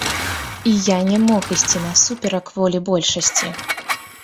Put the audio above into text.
І я не мог ісці насуперак волі большасці.